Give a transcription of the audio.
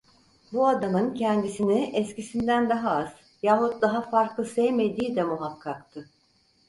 Bu adamın kendisini eskisinden daha az, yahut daha farklı sevmediği de muhakkaktı…